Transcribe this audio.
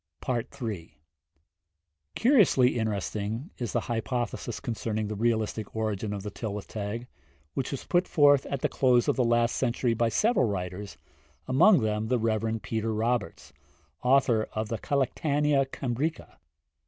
III. Curiously interesting is the hypothesis concerning the realistic origin of the Tylwyth Teg, which was put forth at the close of the last century by several writers, among them the Rev. Peter Roberts, author of the 'Collectanea Cambrica.'